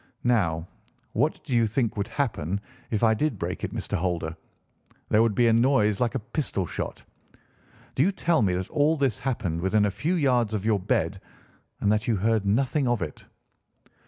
Now, what do you think would happen if I did break it, Mr. Holder? There would be a noise like a pistol shot. Do you tell me that all this happened within a few yards of your bed and that you heard nothing of it?"